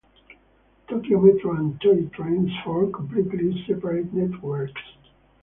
Tokyo Metro and Toei trains form completely separate networks.